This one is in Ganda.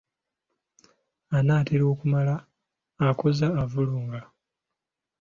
Anaatera okumala akoza avulunga.